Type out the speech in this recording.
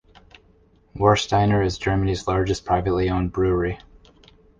Warsteiner is Germany's largest privately owned brewery.